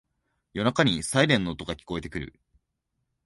夜中にサイレンの音が聞こえてくる